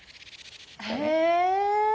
へえ！